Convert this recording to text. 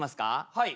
はい。